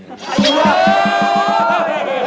เย้